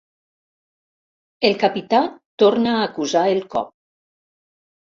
El capità torna a acusar el cop.